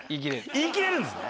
言いきれるんですね？